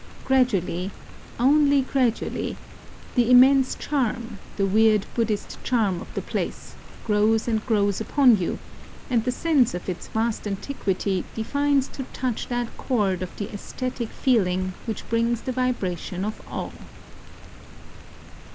Gradually, — only gradually, — the immense charm, the weird Buddhist charm of the place, grows and grows upon you ; and the sense of its vast antiquity defines to touch that chord of the sesthetic feeling which brings the vibration of awe.